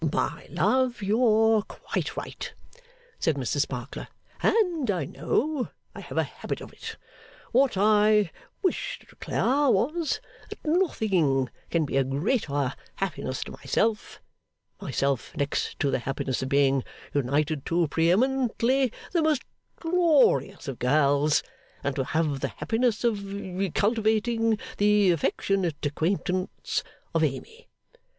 'My love, you're quite right,' said Mr Sparkler, 'and I know I have a habit of it. What I wished to declare was, that nothing can be a greater happiness to myself, myself next to the happiness of being united to pre eminently the most glorious of girls than to have the happiness of cultivating the affectionate acquaintance of Amy.